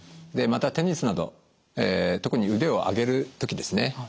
またテニスなど特に腕を上げる時ですね